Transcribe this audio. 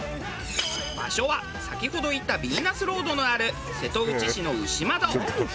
場所は先ほど行ったヴィーナスロードのある瀬戸内市の牛窓。